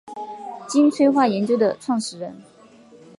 金催化研究的创始人。